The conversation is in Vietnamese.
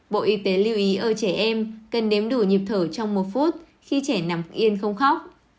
bộ y tế lưu ý ở trẻ em cần đếm đủ nhịp thở trong một phút khi trẻ nằm yên không khóc